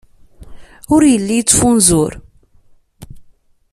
Ur yelli yettfunzur.